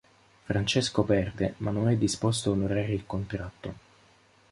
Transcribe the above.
Francesco perde, ma non è disposto a onorare il contratto.